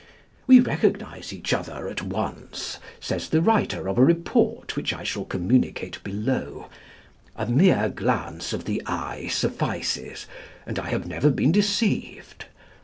'We recognise each other at once,' says the writer of a report which I shall communicate below: 'A mere glance of the eye suffices; and I have never been deceived.